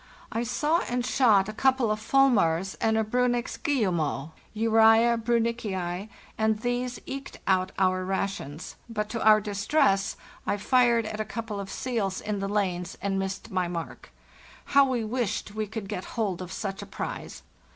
I saw and shot a couple of fulmars and a Briinnich's guillemot (Urza briinnichi:), and these eked out our rations; but, to our distress, I fired ata couple of seals in the lanes and missed my mark. How we wished we could get hold of such a prize!